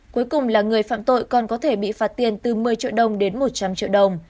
cuối cùng là người phạm tội còn có thể bị phạt tiền từ một mươi triệu đồng đến một trăm linh triệu đồng